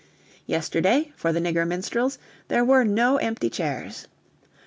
Yesterday, for the nigger minstrels, there were no empty chairs.